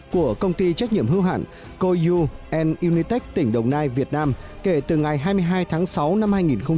của công ty trách nhiệm hưu hạn koyu unitec tỉnh đồng nai việt nam kể từ ngày hai mươi hai tháng sáu năm hai nghìn một mươi bảy